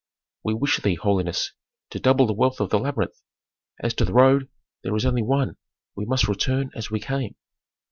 "We wish thee, holiness, to double the wealth of the labyrinth. As to the road, there is only one, we must return as we came."